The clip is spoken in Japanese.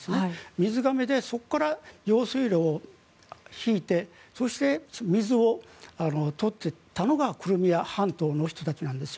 水がめでそこから用水路を引いてそこで水を取ってたのがクリミア半島の人たちだったんです。